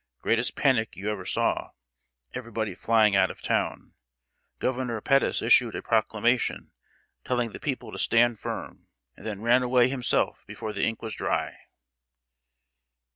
Greatest panic you ever saw. Everybody flying out of town. Governor Pettus issued a proclamation, telling the people to stand firm, and then ran away himself before the ink was dry."